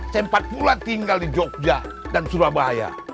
sempat pula tinggal di jogja dan surabaya